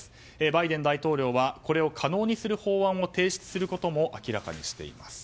バイデン大統領はこれを可能にする法案を提出することも明らかにしています。